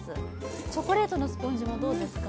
チョコレートのスポンジもどうですか？